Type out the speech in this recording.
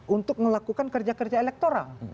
untuk melakukan kerja kerja elektoral